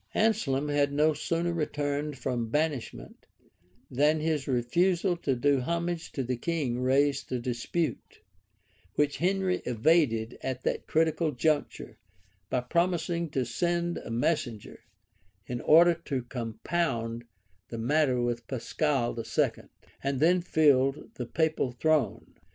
[*] Anselm had no sooner returned from banishment, than his refusal to do homage to the king raised a dispute, which Henry evaded at that critical juncture, by promising to send a messenger, in order to compound the matter with Pascal II, who then filled the papal throne.